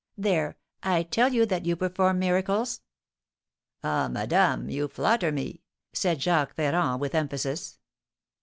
"There, I tell you that you perform miracles!" "Ah, madame, you flatter me," said Jacques Ferrand, with emphasis.